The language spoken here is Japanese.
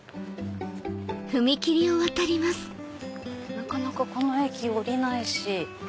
なかなかこの駅降りないし。